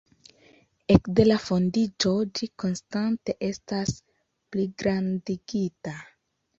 Ekde la fondiĝo ĝi konstante estas pligrandigita.